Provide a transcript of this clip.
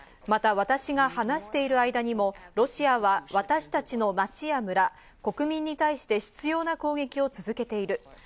また私が話している間にも、ロシアは私たちの町や村、国民に対して執拗な攻撃を続けている。